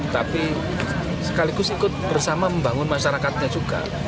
tapi sekaligus ikut bersama membangun masyarakatnya juga